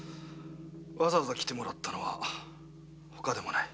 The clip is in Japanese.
わざわざ来てもらったのは他でもない。